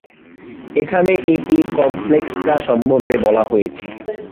এখানে এপিকমপ্লেক্সা সম্বন্ধে বলা হয়েছে।